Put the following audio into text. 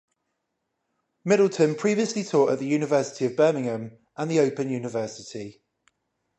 Middleton previously taught at the University of Birmingham and the Open University.